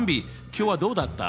今日はどうだった？